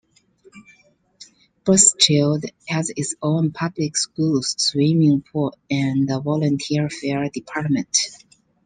Burscheid has its own public schools, swimming pool and volunteer fire department.